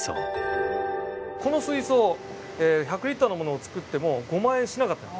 この水槽１００リッターのものを作っても５万円しなかったの。